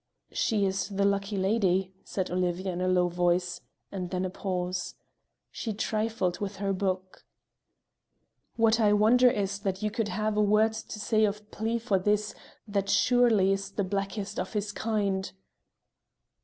"She is the lucky lady!" said Olivia in a low voice, and then a pause. She trifled with her book. "What I wonder is that you could have a word to say of plea for this that surely is the blackest of his kind."